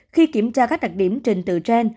khi kiểm tra các đặc điểm trình tự trên